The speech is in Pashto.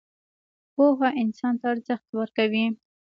پوهه انسان ته ارزښت ورکوي